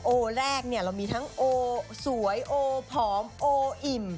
โอแรกเนี่ยเรามีทั้งโอสวยโอผอมโออิ่ม